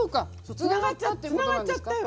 つながっちゃったよ。